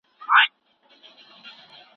تاريخ موږ ته ډېر مهم درسونه راکوي.